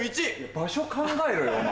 場所考えろよお前